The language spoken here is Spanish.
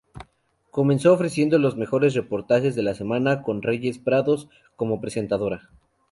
Comenzó ofreciendo los mejores reportajes de la semana, con Reyes Prados como presentadora.